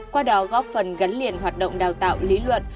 qua đó góp phần gắn liền hoạt động đào tạo lý luận